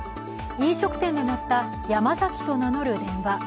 飲食店で鳴ったヤマザキと名乗る電話。